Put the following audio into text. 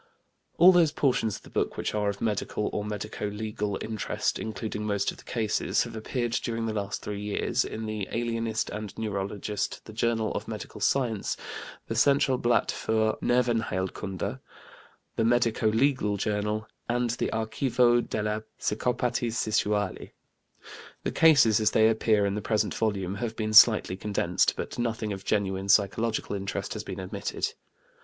All those portions of the book which are of medical or medico legal interest, including most of the cases, have appeared during the last three years in the Alienist and Neurologist, the Journal of Mental Science, the Centralblatt für Nervenheilkunde, the Medico legal Journal, and the Archivo delle Psicopatie Sessuale. The cases, as they appear in the present volume, have been slightly condensed, but nothing of genuine psychological interest has been omitted.